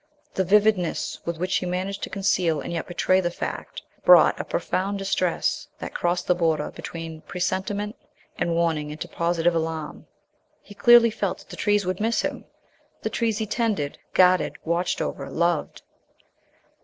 The vividness with which he managed to conceal and yet betray the fact brought a profound distress that crossed the border between presentiment and warning into positive alarm. He clearly felt that the trees would miss him the trees he tended, guarded, watched over, loved.